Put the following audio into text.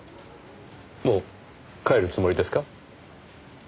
もう帰るつもりですか？